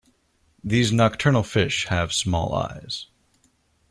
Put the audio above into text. These nocturnal fish have small eyes.